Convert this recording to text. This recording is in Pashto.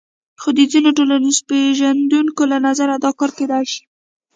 خو د ځینو ټولنپېژندونکو له نظره دا کار کېدای شي.